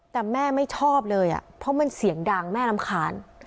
แต่แม่ไม่ชอบเลยเพราะมันเสียงดังแม่รำคาญ